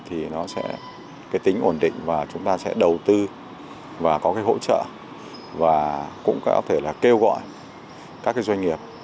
thì nó sẽ tính ổn định và chúng ta sẽ đầu tư và có hỗ trợ và cũng có thể kêu gọi các doanh nghiệp